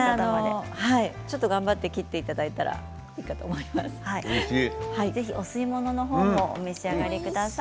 ちょっと頑張って切っていただけたらお吸い物もお召し上がりください。